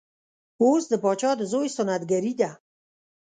اوس د پاچا د زوی سنت ګري ده.